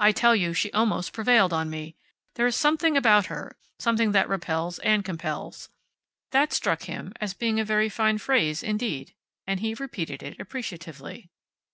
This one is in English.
I tell you, she almost prevailed on me. There is something about her; something that repels and compels." That struck him as being a very fine phrase indeed, and he repeated it appreciatively.